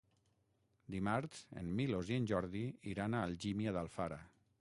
Dimarts en Milos i en Jordi iran a Algímia d'Alfara.